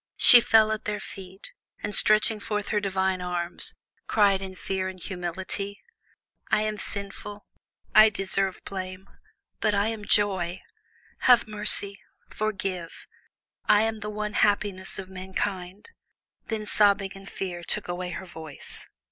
She fell at their feet, and, stretching forth her divine arms, cried in fear and humility: "I am sinful, I deserve blame, but I am Joy. Have mercy, forgive; I am the one happiness of mankind." Then sobbing and fear took away her voice.